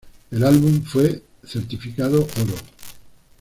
El álbum fue certificado oro.